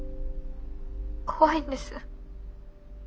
怖いんです。